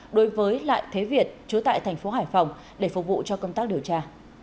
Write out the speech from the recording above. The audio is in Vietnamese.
đối với lại thế việt chứa tại thành phố hải phòng để phục vụ cho công tác điều tra